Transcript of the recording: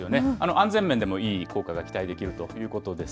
安全面でもいい効果が期待できるということです。